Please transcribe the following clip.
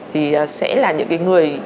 thì sẽ là những cái người